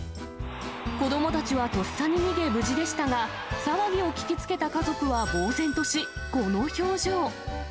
子どもたちはとっさに逃げ無事でしたが、騒ぎを聞きつけた家族はぼう然とし、この表情。